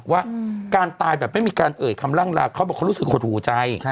ว่าการตายแบบไม่มีการเอ่ยคำล่ำลาเขาบอกเขารู้สึกหดหูใจ